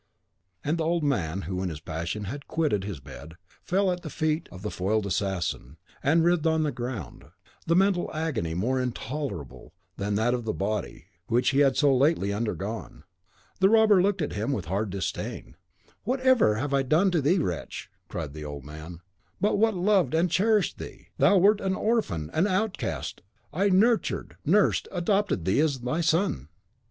and the old man, who in his passion had quitted his bed, fell at the feet of the foiled assassin, and writhed on the ground, the mental agony more intolerable than that of the body, which he had so lately undergone. The robber looked at him with a hard disdain. "What have I ever done to thee, wretch?" cried the old man, "what but loved and cherished thee? Thou wert an orphan, an outcast. I nurtured, nursed, adopted thee as my son.